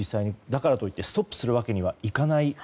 だからといってストップするわけにはいかない